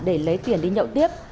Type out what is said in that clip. để lấy tiền đi nhậu tiếp